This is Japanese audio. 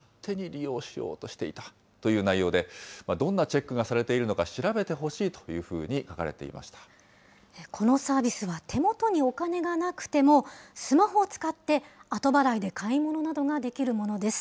保護者の同意が必要なのに、子どもが勝手に利用しようとしていたという内容で、どんなチェックがされているのか調べてほしいというふうに書かれこのサービスは手元にお金がなくても、スマホを使って後払いで買い物などができるものです。